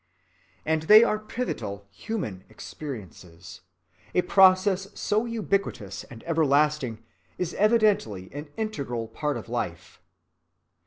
And they are pivotal human experiences. A process so ubiquitous and everlasting is evidently an integral part of life.